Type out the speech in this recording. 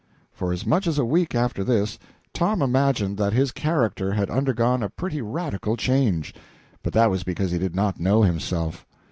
For as much as a week after this, Tom imagined that his character had undergone a pretty radical change. But that was because he did not know himself.